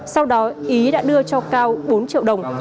sau đó ý đã đưa cho cao bốn triệu đồng